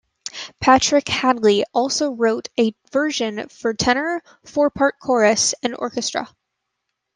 Patrick Hadley also wrote a version for tenor, four-part chorus, and orchestra.